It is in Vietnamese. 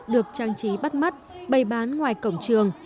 được trang trí bắt mắt bày bán ngoài cổng trường